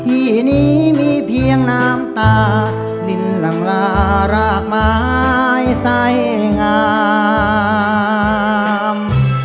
ที่นี้มีเพียงน้ำตานินหลังลารากไม้ไส้งาม